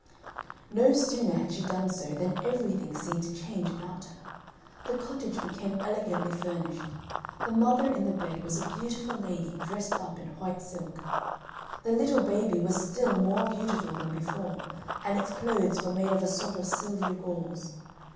No sooner had she done so, than everything seemed changed about her. The cottage became elegantly furnished. The mother in the bed was a beautiful lady, dressed up in white silk. The little baby was still more beautiful than before, and its clothes were made of a sort of silvery gauze.